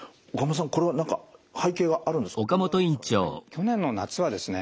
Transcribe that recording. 去年の夏はですね